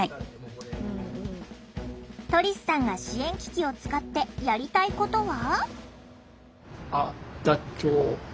トリスさんが支援機器を使ってやりたいことは？